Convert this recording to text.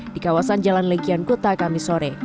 di kawasan jalan legian kota kamisore